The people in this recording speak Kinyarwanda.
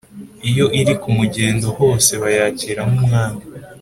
iyo iri ku mugendo, hose bayakira nk’umwami,